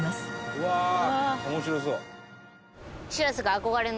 「うわ面白そう」